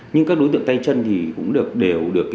nhưng các đối tượng tay chân thì cũng đều được